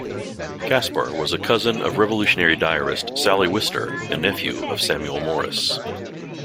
Caspar was a cousin of Revolutionary diarist Sally Wister and nephew of Samuel Morris.